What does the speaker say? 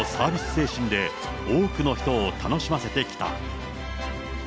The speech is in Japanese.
精神で多くの人を楽しませてきた。